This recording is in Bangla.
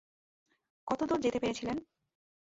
কতদূর যেতে পেরেছিলেন?